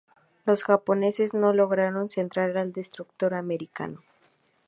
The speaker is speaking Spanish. Los japoneses no lograron centrar al destructor americano.